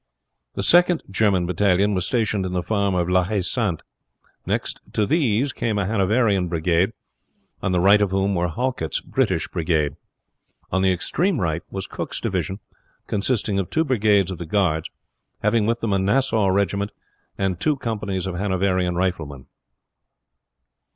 The Second German battalion was stationed in the farm of La Haye Sainte. Next to these came a Hanoverian brigade, on the right of whom were Halket's British brigade. On the extreme right was Cooke's division, consisting of two brigades of the guards, having with them a Nassau regiment, and two companies of Hanoverian riflemen.